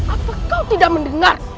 apa kau tidak mendengar